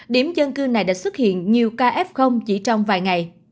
điểm dân cư này đã xuất hiện nhiều ca f chỉ trong vài ngày